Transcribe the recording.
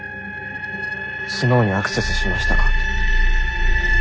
スノウにアクセスしましたか？